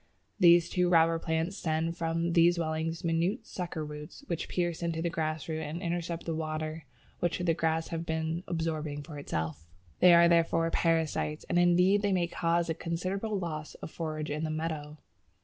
These two robber plants send from these swellings minute sucker roots which pierce into the grass root and intercept the water which the grass has been absorbing for itself. They are therefore parasites, and indeed they may cause a considerable loss of forage in a meadow.